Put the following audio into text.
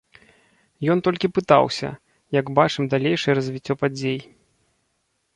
Ён толькі пытаўся, як бачым далейшае развіццё падзей.